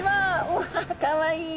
うわかわいい。